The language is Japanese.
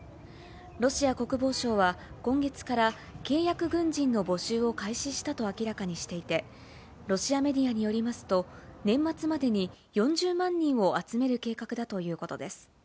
ロシア国防省は今月から契約軍人の募集を開始したと明らかにしていて、ロシアメディアによりますと、年末までに４０万人を集める計画だということです。